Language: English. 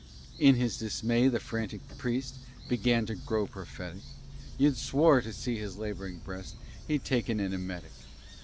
In his dismay, the frantic priest Began to grow prophetic; You'd swore, to see his laboring breast, He'd taken an emetic.